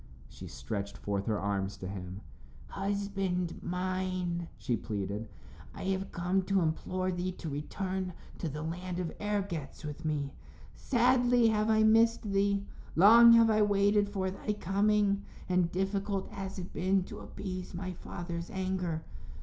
She stretched forth her arms to him. "Husband mine," she pleaded, "I have come to implore thee to return to the land of Ergetz with me. Sadly have I missed thee; long have I waited for thy coming, and difficult has it been to appease my father's anger.